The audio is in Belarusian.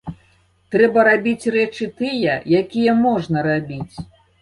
Трэба рабіць рэчы тыя, якія можна рабіць.